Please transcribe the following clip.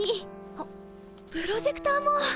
あっプロジェクターも！